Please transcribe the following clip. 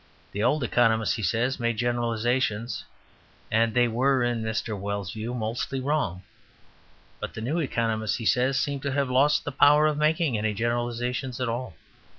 The old economists, he says, made generalizations, and they were (in Mr. Wells's view) mostly wrong. But the new economists, he says, seem to have lost the power of making any generalizations at all.